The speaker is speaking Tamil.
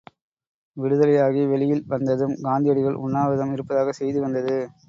விடுதலையாகி வெளியில் வந்ததும் காந்தியடிகள் உண்ணாவிரதம் இருப்பதாகச் செய்தி வந்தது.